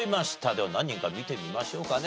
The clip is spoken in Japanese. では何人か見てみましょうかね。